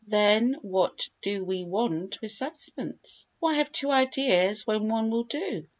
Then what do we want with substance? Why have two ideas when one will do?